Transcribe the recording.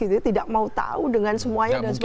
tidak mau tahu dengan semuanya dan sebagainya